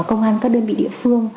công an các đơn vị địa phương